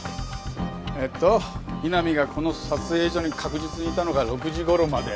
えっと井波がこの撮影所に確実にいたのが６時頃まで。